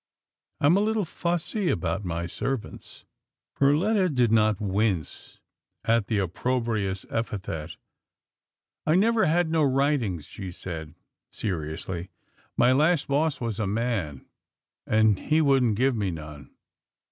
I'm a little fussy about my servants." Perletta did not wince at the opprobrious epithet. " I never had no writings," she said seriously, " my last boss was a man, and he would'nt give me none."